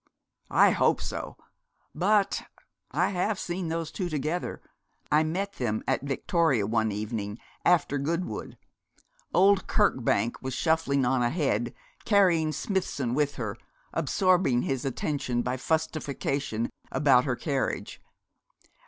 'I hope so, but I have seen those two together I met them at Victoria one evening after Goodwood. Old Kirkbank was shuffling on ahead, carrying Smithson with her, absorbing his attention by fussification about her carriage.